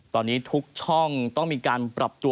ตอนนี้ทุกช่องต้องมีการปรับตัว